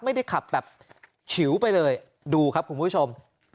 ไม่ได้ขับแบบฉิวไปเลยดูครับคุณผู้ชม